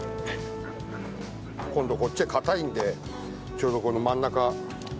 今度こっちは硬いんでちょうどこの真ん中ざくっと。